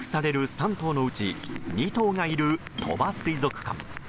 ３頭のうち２頭がいる鳥羽水族館。